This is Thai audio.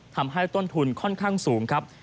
ทำให้ต้นทุนค่อนข้างสูงครับ